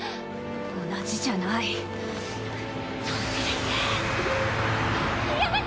同じじゃないはっやめて！